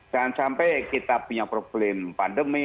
jangan sampai kita punya problem pandemi